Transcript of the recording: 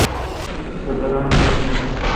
سو تہ ران میش نہ۔